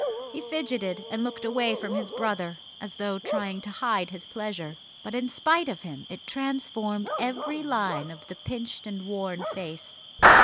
He fidgeted and looked away from his brother, as though trying to hide his pleasure. But in spite of him it transformed every line of the pinched and worn face.